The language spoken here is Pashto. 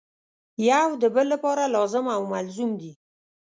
یو د بل لپاره لازم او ملزوم دي.